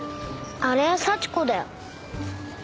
あれは幸子だよ。